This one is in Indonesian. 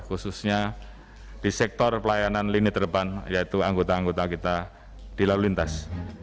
khususnya di sektor pelayanan lini terdepan yaitu anggota anggota kita di lalu lintas